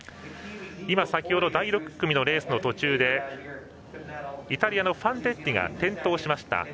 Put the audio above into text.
先ほど６組のレースの途中でイタリアのファンテッリが転倒しました。